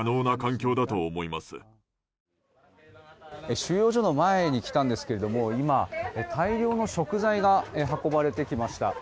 収容所の前に来たんですけども今、大量の食材が運ばれてきました。